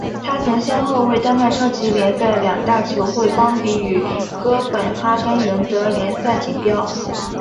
他曾先后为丹麦超级联赛两大球会邦比与哥本哈根赢得联赛锦标。